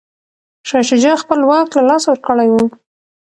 شاه شجاع خپل واک له لاسه ورکړی و.